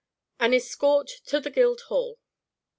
AN ESCORT TO THE GUILDHALL.